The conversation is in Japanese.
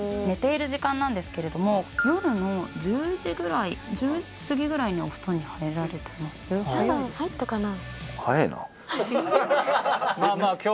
寝ている時間なんですけれども夜の１０時ぐらい１０時過ぎぐらいにお布団に入られてます？